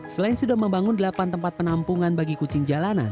selain sudah membangun delapan tempat penampungan bagi kucing jalanan